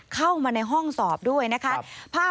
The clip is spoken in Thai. เข้ามาในห้องสอบด้วยนะคะ